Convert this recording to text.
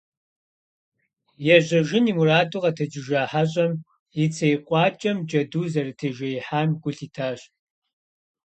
Ежьэжын и мураду къэтэджыжа хьэщӏэм и цей къуакӀэм джэду зэрытежеихьам гу лъитащ.